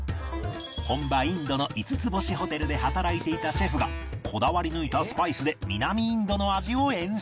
本場インドの５つ星ホテルで働いていたシェフがこだわり抜いたスパイスで南インドの味を演出